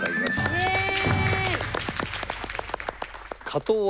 イエーイ！